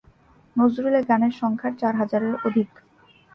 নজরুলের গানের সংখ্যা চার হাজারের অধিক।